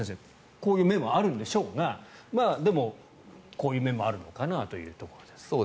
こういう面もあるんでしょうがこういう面もあるのかなというところです。